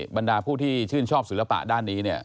บรรดาผู้ที่ชื่นชอบศิลปะด้านนี้เนี่ย